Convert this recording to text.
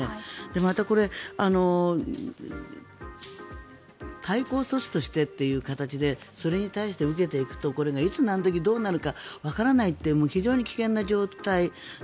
またこれ対抗措置としてという形でそれに対して受けていくとこれ、いつ何時どうなるかわからないという非常に危険な状態。